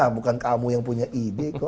bukan kamu yang punya ide kok